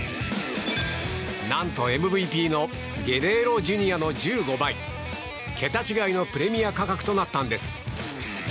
何とＭＶＰのゲレーロＪｒ．の１５倍桁違いのプレミア価格となったんです。